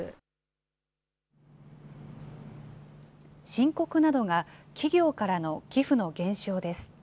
深刻なのが企業からの寄付の減少です。